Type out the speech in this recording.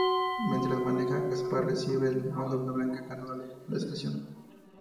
Mientras maneja, Gaspar recibe el llamado de Blanca contándole la situación.